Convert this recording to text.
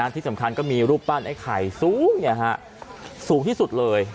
ที่สำคัญก็มีรูปปั้นไอ้ไข่สูงเนี่ยฮะสูงที่สุดเลย